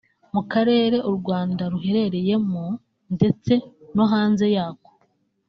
mu karere U Rwanda ruherereyemo ndetse no hanze yako